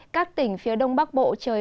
các tỉnh phía đông bắc bộ trời bắc bộ hà nội